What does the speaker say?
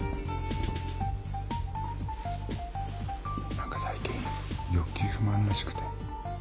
何か最近欲求不満らしくて。